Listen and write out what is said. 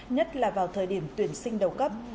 nhất là vào thời điểm tuyển sinh đầu cấp